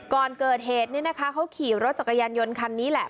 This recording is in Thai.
ก่อนเกิดเหตุนี้นะคะเขาขี่รถจักรยานยนต์คันนี้แหละ